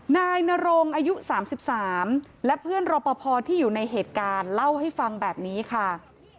นายนรงอายุ๓๓และเพื่อนรอปภที่อยู่ในเหตุการณ์เล่าให้ฟังแบบนี้ค่ะ